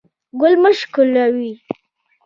ګل مه شکولوئ